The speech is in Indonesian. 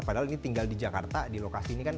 padahal ini tinggal di jakarta di lokasi ini kan